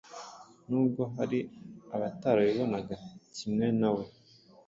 nubwo hari abatarabibonaga kimwe na we,